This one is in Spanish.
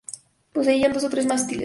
Poseían dos o tres mástiles.